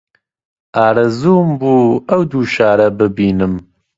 ئارەزووم بوو ئەو دوو شارە ببینم